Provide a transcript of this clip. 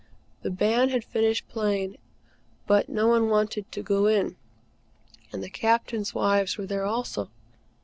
The Band had finished playing, but no one wanted to go in. And the Captains' wives were there also.